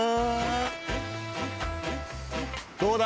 どうだ？